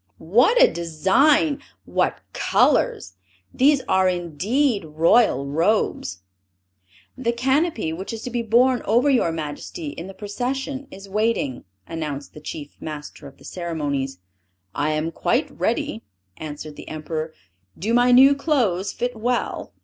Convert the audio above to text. "What a design! What colors! These are indeed royal robes!" "The canopy which is to be borne over your Majesty, in the procession, is waiting," announced the chief master of the ceremonies. "I am quite ready," answered the Emperor. "Do my new clothes fit well?"